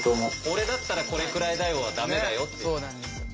「俺だったらこれくらいだよ」は駄目だよって。